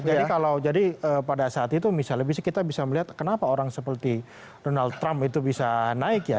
jadi kalau jadi pada saat itu misalnya bisa kita bisa melihat kenapa orang seperti donald trump itu bisa naik ya